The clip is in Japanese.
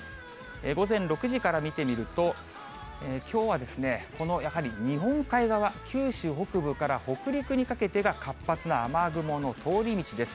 午前６時から見てみると、きょうはですね、このやはり日本海側、九州北部から北陸にかけてが、活発な雨雲の通り道です。